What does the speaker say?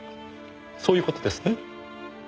そういう事ですね？